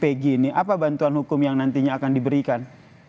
kayak gini apa bantuan hukum yang nantinya akan diberikan